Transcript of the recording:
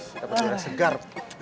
kita bergerak segar